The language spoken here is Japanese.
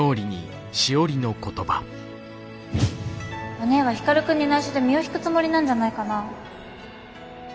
おねぇは光くんに内緒で身を引くつもりなんじゃないかな。